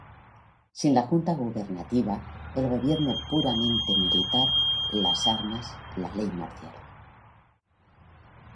Sin la Junta Gubernativa,- el gobierno puramente militar- las armas, la ley marcial.